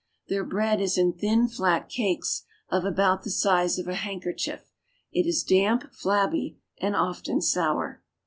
Their bread is in thin, flat cakes of about the size of a handkerchief; i is damp, flabby, and often sour.